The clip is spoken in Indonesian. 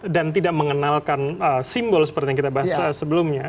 dan tidak mengenalkan simbol seperti yang kita bahas sebelumnya